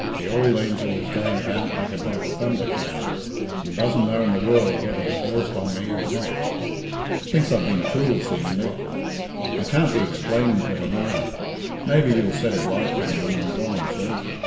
The ould angel is going about like a bit of a thunder cloud, and doesn't know in the world whether to burst on me or not. Thinks I've been cruel, seemingly. I can't be explaining to her neither. Maybe you'll set it right for me when I'm gone, sir.